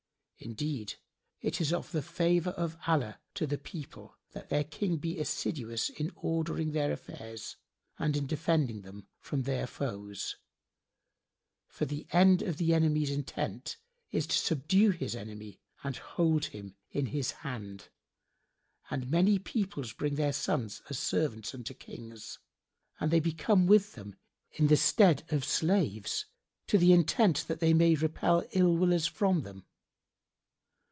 Indeed, it is of the favour of Allah to the people that their King be assiduous in ordering their affairs and in defending them from their foes; for the end of the enemy's intent is to subdue his enemy and hold him in his hand; and many peoples[FN#73] bring their sons as servants unto Kings, and they become with them in the stead of slaves, to the intent that they may repel ill willers from them.